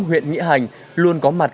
huyện nghĩa hành luôn có mặt